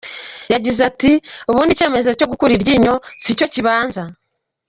Yagize ati ”Ubundi icyemezo cyo gukura iryinyo si cyo kibanza.